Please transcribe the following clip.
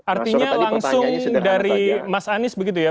artinya langsung dari mas anies begitu ya